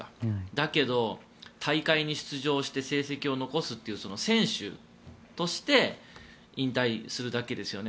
だけど、大会に出場して成績を残すという選手として引退するだけですよね。